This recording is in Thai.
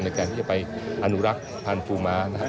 ในการที่จะไปอนุรักษ์พันธุ์ม้านะครับ